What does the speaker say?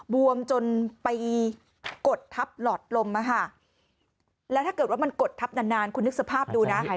บวมจนไปกดทับหลอดลมแล้วถ้าเกิดว่ามันกดทับนานนานคุณนึกสภาพดูนะ